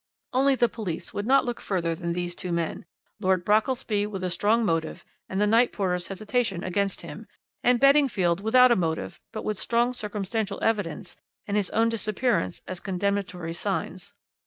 Only the police would not look further than these two men Lord Brockelsby with a strong motive and the night porter's hesitation against him, and Beddingfield without a motive, but with strong circumstantial evidence and his own disappearance as condemnatory signs.